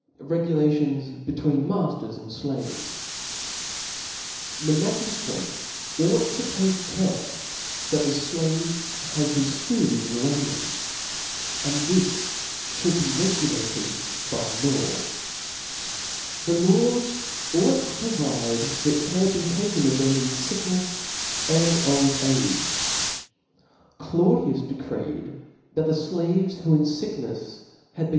Regulations between Makers and Slaves. T^HE magiftrati ought to take care that the ^ flave has his food and raiment; and this fhould be regulated by law. The laws ought to provide that care be taken of them in ficknefs and old age. Claudius ('')de (OXiphi* creed, that the fiaves, who, in ficknefs, had htt^clJ^io.